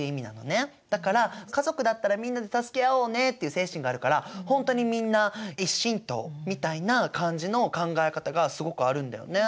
だから家族だったらみんなで助け合おうねっていう精神があるからほんとにみんな１親等みたいな感じの考え方がすごくあるんだよね。